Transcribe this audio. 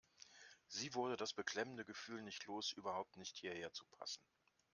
Sie wurde das beklemmende Gefühl nicht los, überhaupt nicht hierher zu passen.